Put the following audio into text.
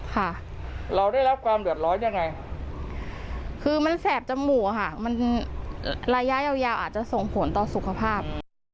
ค่ะเราได้รับความเดือดร้อนยังไงคือมันแสบจมูกค่ะมันระยะยาวอาจจะส่งผลต่อสุขภาพ